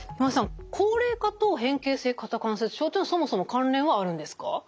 高齢化と変形性肩関節症というのはそもそも関連はあるんですか？